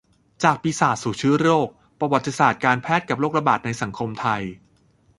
จากปีศาจสู่เชื้อโรค : ประวัติศาสตร์การแพทย์กับโรคระบาดในสังคมไทย